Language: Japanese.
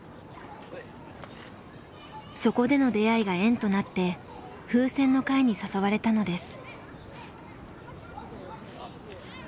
そこでの出会いが縁となってふうせんの会に誘われたのです。